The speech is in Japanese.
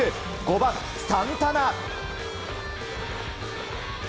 ５番、サンタナ。